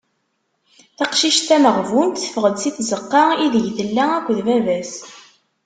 Taqcict tameɣbunt teffeɣ-d si tzeqqa ideg tella akked baba-s.